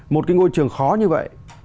một cái ngôi trường khó như vậy